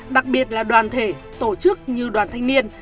đặc biệt là đoàn thể tổ chức như đoàn thanh niên